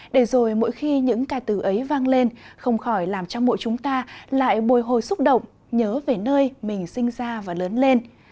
để rồi mỗi khi những ca từ ấy vang lên không khỏi làm cho mỗi chúng ta lại bồi hồi xúc động nhớ về nơi mình sinh ra và lớn lên